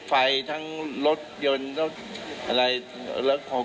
และคนทางคนดงคนเดินทธิแจงละเอียดให้หมดอะนะครับ